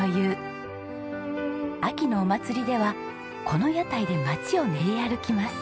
秋のお祭りではこの屋台で街を練り歩きます。